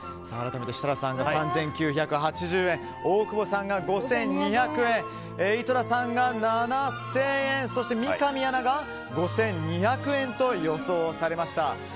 改めて、設楽さんが３９８０円大久保さんが５２００円井戸田さんが７０００円そして、三上アナが５２００円と予想されました。